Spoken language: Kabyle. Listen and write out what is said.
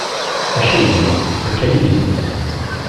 Akaynu, akka i disem-is.